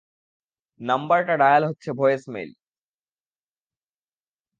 নম্বরটা ডায়াল হচ্ছে voice mail.